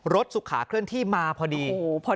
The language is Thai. สุขาเคลื่อนที่มาพอดี